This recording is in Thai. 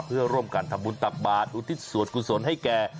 เพื่อร่วมการทำบุญตักบาตรอุทิศวรสคุณสนให้แก